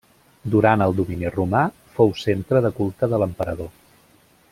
Durant el domini romà, fou centre de culte de l'emperador.